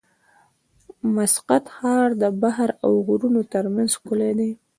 د مسقط ښار د بحر او غرونو ترمنځ ښکلی دی.